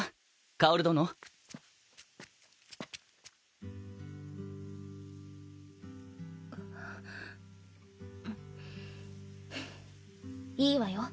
薫殿。ハァいいわよ。